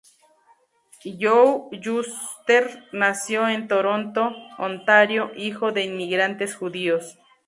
Joe Shuster nació en Toronto, Ontario, hijo de inmigrantes judíos.